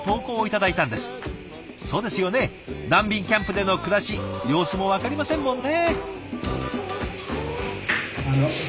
そうですよね難民キャンプでの暮らし様子もわかりませんもんね。